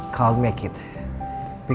tak bisa mencapainya